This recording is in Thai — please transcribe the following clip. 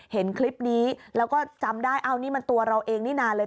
เห็นคลิปนี้แล้วก็จำได้เอานี่มันตัวเราเองนี่นานเลย